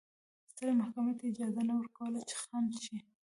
سترې محکمې ته اجازه نه ورکوله چې خنډ شي.